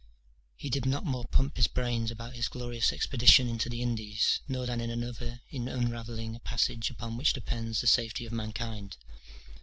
He did not more pump his brains about his glorious expedition into the Indies, nor than another in unravelling a passage upon which depends the safety of mankind.